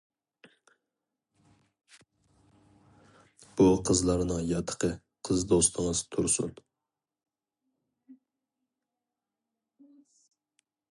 -بۇ قىزلارنىڭ ياتىقى قىز دوستىڭىز تۇرسۇن!